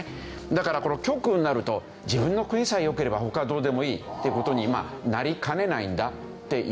だからこの極右になると自分の国さえよければ他はどうでもいいって事になりかねないんだっていう事ですね。